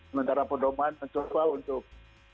sementara pondoman mencoba untuk